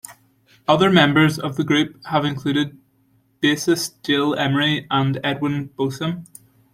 Other members of the group have included bassists Jill Emery and Edwin Borsheim.